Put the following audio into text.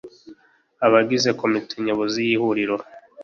Abagize Komite Nyobozi y Ihuriro